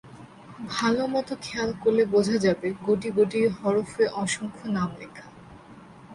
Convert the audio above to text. ভালোমতো খেয়াল করলে বোঝা যাবে, গুটি গুটি হরফে অসংখ্য নাম লেখা।